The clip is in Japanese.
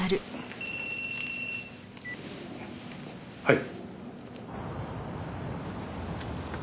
はい。